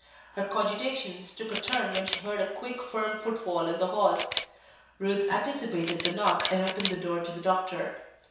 Her cogitations took a turn when she heard a quick, firm footfall in the hall. Ruth anticipated the knock, and opened the door to the doctor.